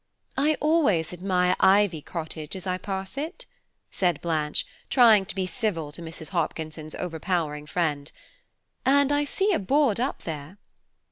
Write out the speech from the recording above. "I always admire Ivy Cottage as I pass it," said Blanche, trying to be civil to Mrs. Hopkinson's overpowering friend, "and I see a board up there."